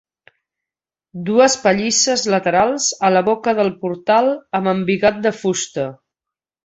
Dues pallisses laterals a la boca del portal amb embigat de fusta.